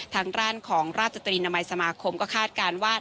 ทางด้านของราชตรีนามัยสมาคมก็คาดการณ์ว่า